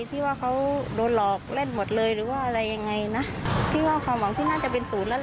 ที่ว่าเขาโดนหลอกเล่นหมดเลยหรือว่าอะไรยังไงนะพี่ว่าความหวังที่น่าจะเป็นศูนย์แล้วล่ะ